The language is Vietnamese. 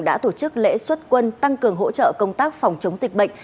đã tổ chức lễ xuất quân tăng cường hỗ trợ công tác phòng chống dịch bệnh